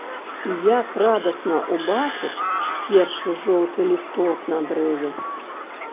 І як радасна ўбачыць першы жоўты лісток на дрэве.